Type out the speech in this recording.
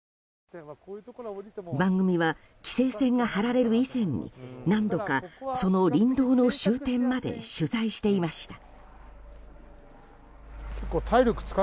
番組は規制線が張られる以前に何度か、その林道の終点まで取材していました。